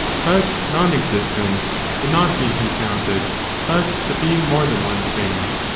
existence, the not being compounded, but the being more than one thing.